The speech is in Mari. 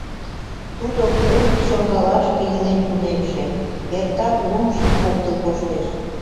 Тудо курык чоҥгалаште илен тунемше, эртак лумшым поктыл коштеш.